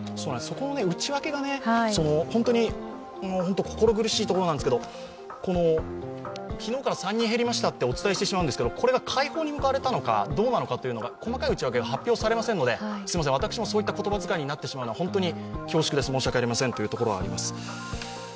内訳がね、本当心苦しいところなんですけど昨日から３人減りましたとお伝えしてしまうんですけど、これが快方に向かわれたのかどうなのか、細かい内訳が発表されませんので、私のそういった言葉遣いになってしまうのは本当に恐縮です、申し訳ありませんというところがあります。